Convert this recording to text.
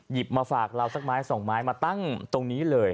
มาฝากเราสักไม้สองไม้มาตั้งตรงนี้เลย